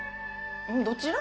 どちら？